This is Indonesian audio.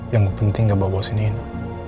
yang penting gua bawa bawa si nino